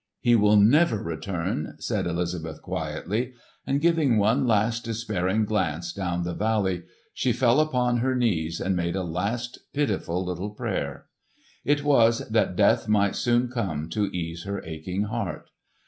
"He will never return!" said Elizabeth quietly; and giving one last despairing glance down the valley she fell upon her knees and made a last pitiful little prayer. It was that death might soon come to ease her aching heart.